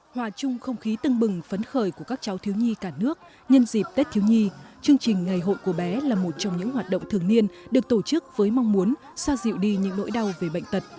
hòa chung không khí tưng bừng phấn khởi của các cháu thiếu nhi cả nước nhân dịp tết thiếu nhi chương trình ngày hội của bé là một trong những hoạt động thường niên được tổ chức với mong muốn xoa dịu đi những nỗi đau về bệnh tật